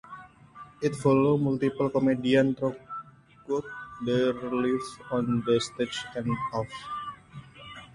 It follows multiple comedians throughout their lives on stage and off.